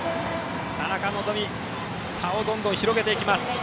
田中希実、差をどんどん広げていきます。